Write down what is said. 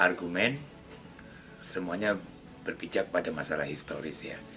argumen semuanya berpijak pada masalah historis ya